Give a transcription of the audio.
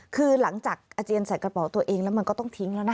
คือหลังจากอาเจียนใส่กระเป๋าตัวเองแล้วมันก็ต้องทิ้งแล้วนะ